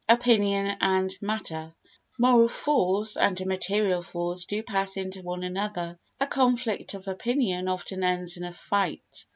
Opinion and Matter Moral force and material force do pass into one another; a conflict of opinion often ends in a fight.